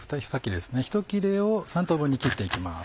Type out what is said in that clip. １切れを３等分に切って行きます。